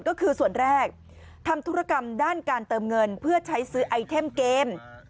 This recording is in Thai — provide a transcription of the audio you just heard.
ก็คือส่วนแรกทำธุรกรรมด้านการเติมเงินเพื่อใช้ซื้อไอเทมเกม